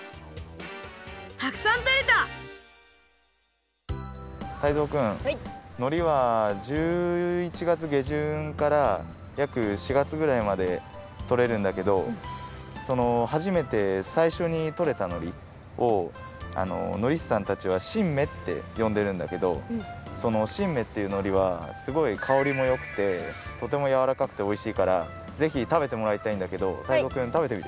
たくさんとれたタイゾウくんのりは１１がつげじゅんからやく４がつぐらいまでとれるんだけど初めてさいしょにとれたのりをのりしさんたちはしんめってよんでるんだけどそのしんめっていうのりはすごい香りもよくてとてもやわらかくておいしいからぜひたべてもらいたいんだけどタイゾウくんたべてみる？